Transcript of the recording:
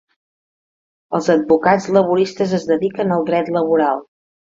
Els advocats laboralistes es dediquen al dret laboral.